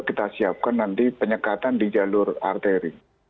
kita siapkan nanti penyekatan di jalur arteri